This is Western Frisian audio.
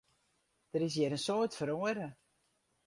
Der is hjir in soad feroare.